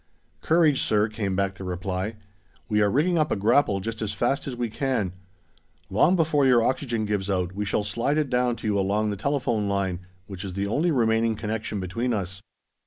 "Courage, sir," came back the reply. "We are rigging up a grapple just as fast as we can. Long before your oxygen gives out, we shall slide it down to you along the telephone line, which is the only remaining connection between us.